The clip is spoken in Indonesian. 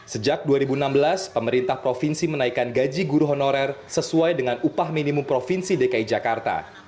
sejak dua ribu enam belas pemerintah provinsi menaikkan gaji guru honorer sesuai dengan upah minimum provinsi dki jakarta